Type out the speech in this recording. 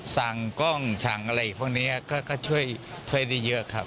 สั่งกล้องสั่งอะไรพวกนี้ก็ช่วยได้เยอะครับ